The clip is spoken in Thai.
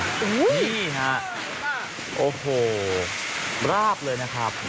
นี่ฮะโอ้โหราบเลยนะครับ